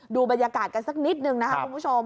ดูบรรยากาศกันสักนิดนึงนะครับคุณผู้ชม